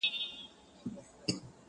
چي یې وکتل قصاب نه وو بلا وه.!